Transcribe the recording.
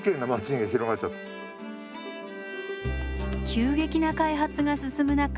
急激な開発が進む中